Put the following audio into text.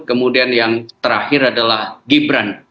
kemudian yang terakhir adalah gibran